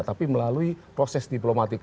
tapi melalui proses diplomatik